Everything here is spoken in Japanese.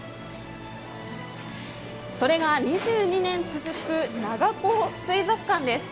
それが２２年続く長高水族館です。